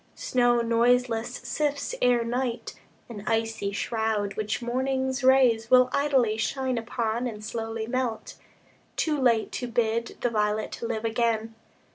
Snow noiseless sifts Ere night, an icy shroud, which morning's rays Will idly shine upon and slowly melt, Too late to bid the violet live again.